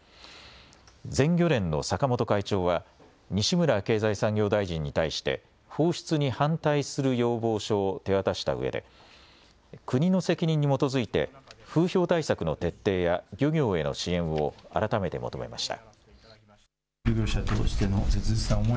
全漁連の坂本会長は西村経済産業大臣に対して放出に反対する要望書を手渡したうえで国の責任に基づいて風評対策の徹底や漁業への支援を改めて求めました。